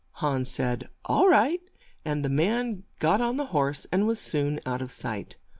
Hans said, "All right," and the man got on the horse, and was soon out of sight.